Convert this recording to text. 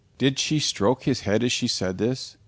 Did she stroke his head as she said this?